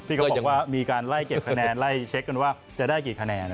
เขาบอกว่ามีการไล่เก็บคะแนนไล่เช็คกันว่าจะได้กี่คะแนน